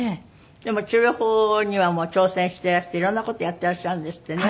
でも治療法にはもう挑戦していらしていろんな事やってらっしゃるんですってね。